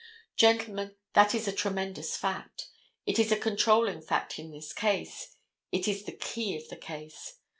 Gentlemen, that is a tremendous fact. It is a controlling fact in this case. It is the key of the case.